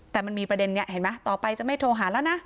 แต่มันมีประเด็นนี้เห็นไหมต่อไปจะไม่โทรหาแล้วนะ